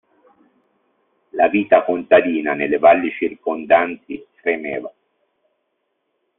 La vita contadina nelle valli circondanti fremeva.